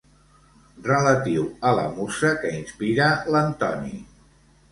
Relatiu a la musa que inspira l'Antoni.